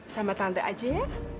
sama tante aja ya